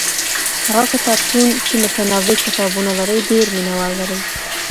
هغه کتابتون چي متنوع کتابونه لري ډېر مينه وال لري.